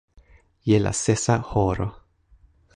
je la sesa horo.